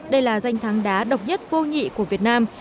đây là danh thắng đá độc nhất vô nhị của việt nam